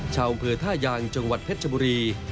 ชาวอำเภอท่ายางจังหวัดเพชรชบุรี